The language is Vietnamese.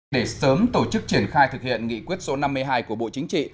để sớm tổ chức triển khai thực hiện nghị quyết số năm mươi hai của bộ chính trị